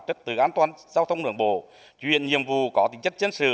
chất từ an toàn giao thông đường bộ truyền nhiệm vụ có tính chất dân sự